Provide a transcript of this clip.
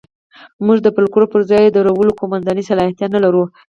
موږ د فوکلور پر ځای درولو قوماندې صلاحیت نه لرو.